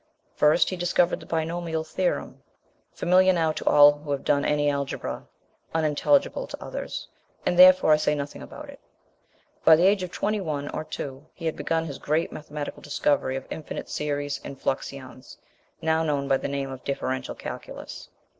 First he discovered the binomial theorem: familiar now to all who have done any algebra, unintelligible to others, and therefore I say nothing about it. By the age of twenty one or two he had begun his great mathematical discovery of infinite series and fluxions now known by the name of the Differential Calculus.